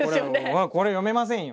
これ読めませんよ。